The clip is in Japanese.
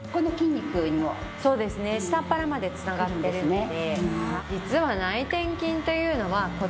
そうですね下っ腹まで繋がってるので。